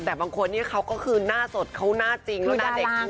แต่บางคนเนี่ยเขาก็คือหน้าสดเขาหน้าจริงแล้วหน้าเด็กจริง